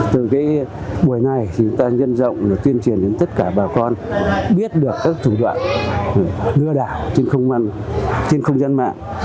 từ buổi này chúng ta nhân rộng tuyên truyền đến tất cả bà con biết được các thủ đoạn lừa đảo trên không gian mạng